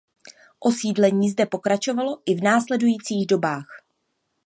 Osídlení zde pokračovalo i v následujících dobách.